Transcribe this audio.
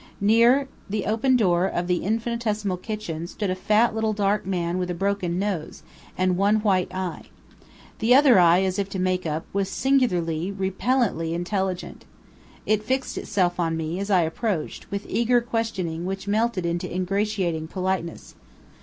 Near the open door of the infinitesimal kitchen stood a fat little dark man with a broken nose, and one white eye. The other eye, as if to make up, was singularly, repellently intelligent. It fixed itself upon me, as I approached, with eager questioning which melted into ingratiating politeness.